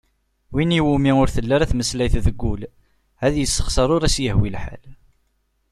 Win iwumi ur telli tmeslayt deg wul, ad yessexser ur as-yehwi lḥal.